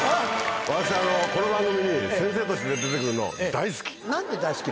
私この番組に先生として出て来るの大好き。